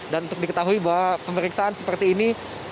dan untuk diketahui bahwa pemeriksaan seperti ini